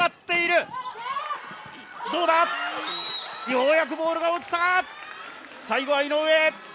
ようやくボールが落ちた、最後は井上。